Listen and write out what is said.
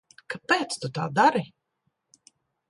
Kāpēc tu tā dari?